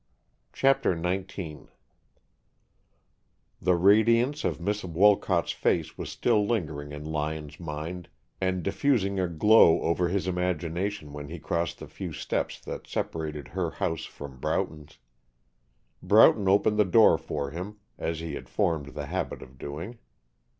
CHAPTER XIX The radiance of Miss Wolcott's face was still lingering in Lyon's mind and diffusing a glow over his imagination when he crossed the few steps that separated her house from Broughton's. Broughton opened the door for him, as he had formed the habit of doing.